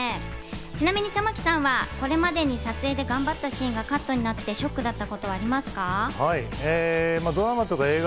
ちなみに玉木さんは、これまでに撮影で頑張ったシーンがカットになってショックだったことはありますか？